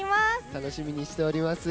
楽しみにしております。